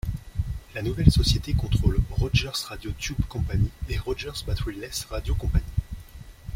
La nouvelle société contrôle Rogers Radio Tube Company et Rogers Batteryless Radio Company.